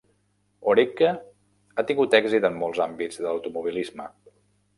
Oreca ha tingut èxit en molts àmbits de l'automobilisme.